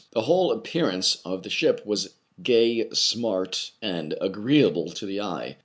The whole appearance of the ship was gcty, smart, and agree able to the eye.